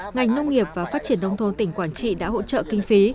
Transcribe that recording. ngành nông nghiệp và phát triển đông thôn tỉnh quảng trị đã hỗ trợ kinh phí